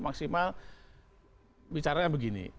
maksimal bicaranya begini